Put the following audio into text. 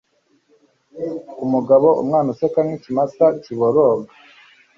Ku mugabo umwana useka nkikimasa kiboroga